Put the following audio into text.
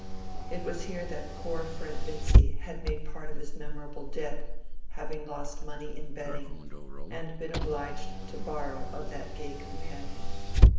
It was here that poor Fred Vincy had made part of his memorable debt, having lost money in betting, and been obliged to borrow of that gay companion.